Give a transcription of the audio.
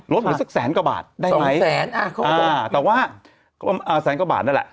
ลดเหมือนสักแสนกว่าบาทได้ไหมอ่าแต่ว่าแสนกว่าบาทนั่นแหละ